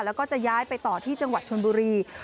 แล้วก็จะย้ายไปต่อที่จังหวัดชนบุรี